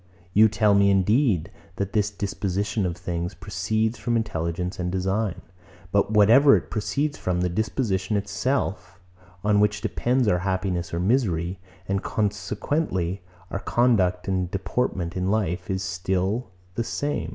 You tell me, indeed, that this disposition of things proceeds from intelligence and design. But whatever it proceeds from, the disposition itself, on which depends our happiness or misery, and consequently our conduct and deportment in life is still the same.